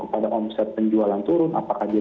pada omset penjualan turun apakah dia